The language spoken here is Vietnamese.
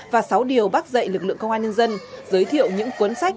và sáu điều bác dạy lực lượng công an nhân dân giới thiệu những cuốn sách